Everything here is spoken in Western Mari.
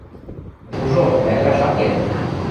Жужо, мӓгӹрӓш ак кел!